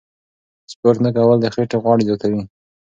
سپورت نه کول د خېټې غوړ زیاتوي.